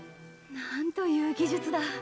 なんという技術だ